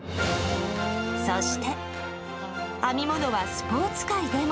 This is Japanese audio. そして、編み物はスポーツ界でも。